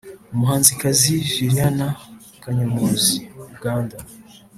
umuhanzikazi Juliana Kanyomozi(Uganda)